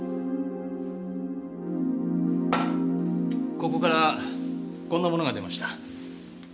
ここからこんなものが出ました。